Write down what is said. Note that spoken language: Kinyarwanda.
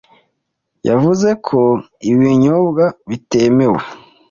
yavuze ko ibi binyobwa bitemewe